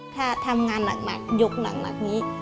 ถ้าทำงานหนักยกหนักนี้